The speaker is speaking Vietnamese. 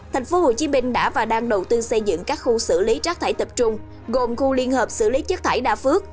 tp hcm đã và đang đầu tư xây dựng các khu xử lý rác thải tập trung gồm khu liên hợp xử lý chất thải đa phước